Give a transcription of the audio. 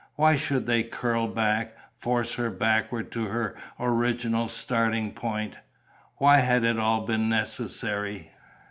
Why should they curl back, force her backwards to her original starting point? Why had it all been necessary?